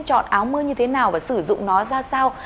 chọn áo mưa như thế nào và sử dụng nó ra sao